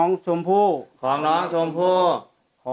ข้าพเจ้านางสาวสุภัณฑ์หลาโภ